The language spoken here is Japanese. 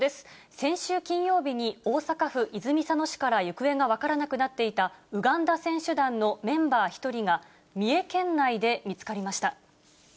先週金曜日に大阪府泉佐野市から行方が分からなくなっていた、ウガンダ選手団のメンバー１人が、三重県内で見つかりました。